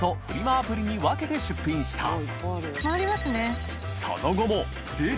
アプリに分けて出品した緑川）